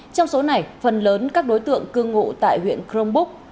trong số này phần lớn các đối tượng cư ngụ tại huyện crong búc